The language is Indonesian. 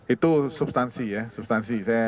itu substansi ya substansi